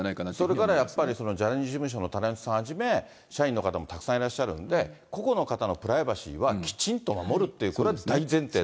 それからやっぱりジャニーズ事務所のタレントさんはじめ、社員の方がたくさんいらっしゃるんで、個々の方のプライバシーはきちんと守るってことは大前提で。